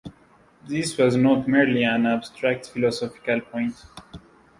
This was not merely an abstract philosophical point.